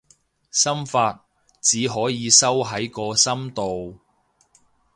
心法，只可以收喺個心度